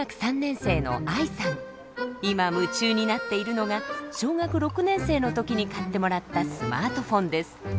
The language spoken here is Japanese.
今夢中になっているのが小学６年生の時に買ってもらったスマートフォンです。